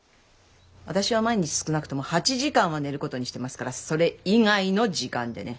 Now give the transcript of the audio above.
私は毎日少なくとも８時間は寝ることにしてますからそれ以外の時間でね。